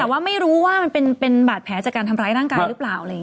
แต่ว่าไม่รู้ว่ามันเป็นบาดแผลจากการทำร้ายร่างกายหรือเปล่า